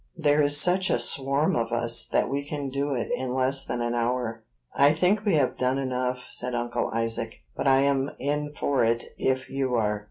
there is such a swarm of us that we can do it in less than an hour." "I think we have done enough," said Uncle Isaac; "but I'm in for it if you are."